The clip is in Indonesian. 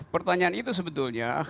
pertanyaan itu sebetulnya